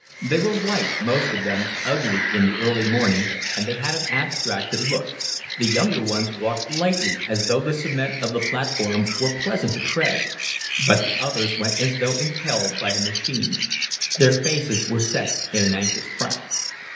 They were white, most of them, ugly in the early morning, and they had an abstracted look; the younger ones walked lightly, as though the cement of the platform were pleasant to tread, but the others went as though impelled by a machine: their faces were set in an anxious frown.